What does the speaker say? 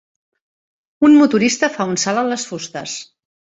Un motorista fa un salt a les fustes.